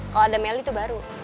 kalau ada meli tuh baru